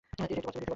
এটি একটি কচ্ছপ।